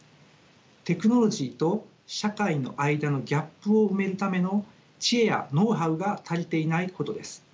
テクノロジーと社会の間のギャップを埋めるための知恵やノウハウが足りていないことです。